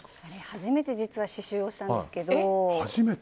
初めて実は刺しゅうをしたんですけど。